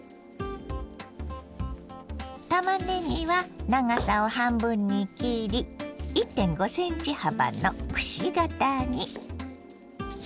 たまねぎは長さを半分に切り１．５ｃｍ幅のくし形に。